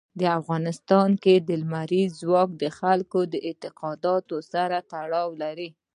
په افغانستان کې لمریز ځواک د خلکو د اعتقاداتو سره تړاو لري.